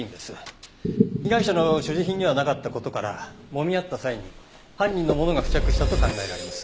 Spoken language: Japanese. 被害者の所持品にはなかった事からもみ合った際に犯人のものが付着したと考えられます。